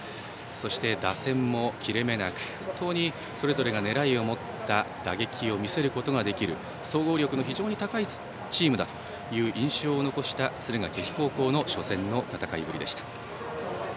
そして、打線も切れ目なく本当にそれぞれが狙いを持った打撃を見せることができる総合力の非常に高いチームだという印象を残した敦賀気比高校の初戦の戦いぶりでした。